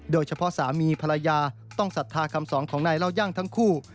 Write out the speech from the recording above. สามีภรรยาต้องศรัทธาคำสอนของนายเล่าย่างทั้งคู่